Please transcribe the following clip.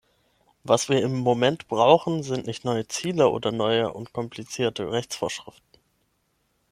Was wir im Moment brauchen, sind nicht neue Ziele oder neue und komplizierte Rechtsvorschriften.